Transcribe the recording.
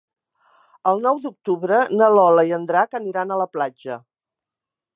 El nou d'octubre na Lola i en Drac aniran a la platja.